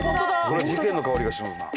これは事件の香りがしますな。